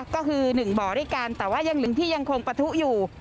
ก็คือ๑บ่อด้วยกันแต่ว่ายังเหลืองที่ยังคงปะทุอยู่